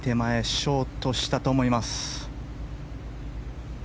ショートしたと思います。